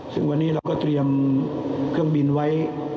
ซึ่งวันนี้เราก็เตรียมเครื่องบินไว้